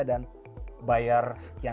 dan bayar sekian doang